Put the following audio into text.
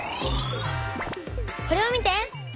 これを見て！